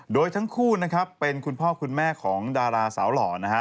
โดยทั้งคู่นะครับเป็นคุณพ่อคุณแม่ของดาราสาวหล่อนะฮะ